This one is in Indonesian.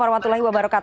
waalaikumsalam wr wb